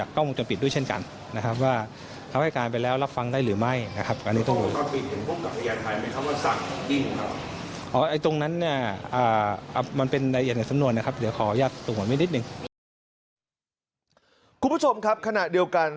คุณผู้ชมครับขณะเดียวกัน